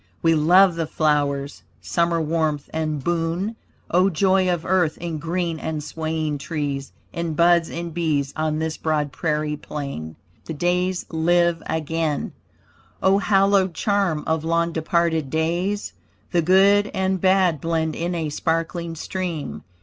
We love the flowers, summer warmth and boon, O joy of earth, in green and swaying trees, In buds and bees on this broad prairie plain. THE DAYS LIVE AGAIN O hallowed charm of long departed days; The good and bad blend in a sparkling stream.